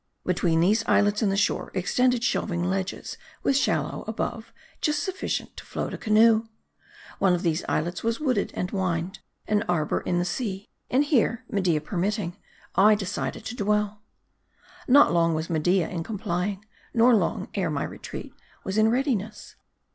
Between these islets and the shore, extended shelving ledges, with shallows above, just sufficient to float a canoe. One of these islets was wooded and vined ; an arbor in the sea. And here, Media permitting, I decided to dwell. Not long was Media in complying ; nor long, ere my retreat was in readiness.